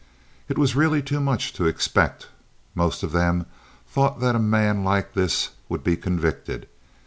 It was really too much to expect, most of them thought, that a man like this would be convicted.